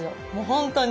本当に。